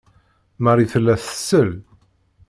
Marie tella tsell.